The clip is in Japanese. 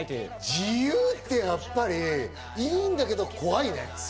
自由ってやっぱりいいんだけど、怖いね。